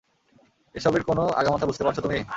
এসবের কোনো আগামাথা বুঝতে পারছ তুমি?